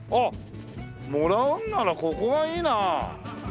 もらうならここがいいな。